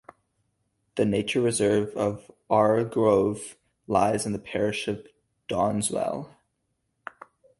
The nature reserve of Arle Grove lies in the parish of Dowdeswell.